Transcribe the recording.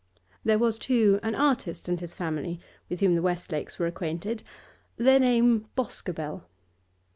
There was, too, an artist and his family, with whom the Westlakes were acquainted, their name Boscobel.